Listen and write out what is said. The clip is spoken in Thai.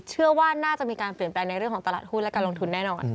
เชื่อว่าน่าจะมีการเปลี่ยนแปลงในเรื่องของตลาดหุ้นและการลงทุนแน่นอน